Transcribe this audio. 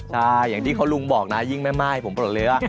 ใช่อย่างที่เขาลุงบอกนะยิ่งแม่ม่ายผมปลดเลยว่า